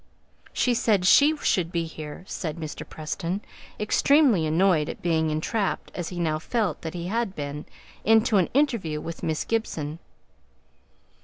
"She said she should be here," said Mr. Preston, extremely annoyed at being entrapped, as he now felt that he had been, into an interview with Miss Gibson.